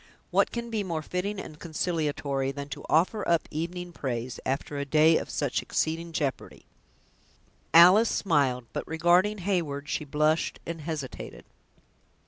"What can be more fitting and consolatory, than to offer up evening praise, after a day of such exceeding jeopardy!" Alice smiled; but, regarding Heyward, she blushed and hesitated.